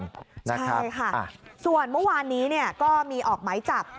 ใช่ค่ะส่วนเมื่อวานนี้ก็มีออกไหมจับ